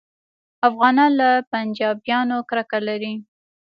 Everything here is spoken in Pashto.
افغانان له پنجابیانو کرکه لري